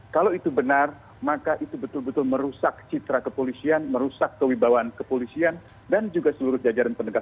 kalau itu benar maka itu betul betul merusak citra kepolisian merusak kewibawaan kepolisian dan juga seluruh jajaran penegakan